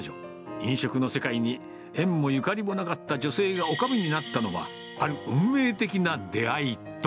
飲食の世界に縁もゆかりもなかった女性がおかみになったのは、ある運命的な出会いと。